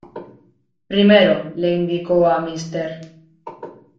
Primero, le indicó a Mr.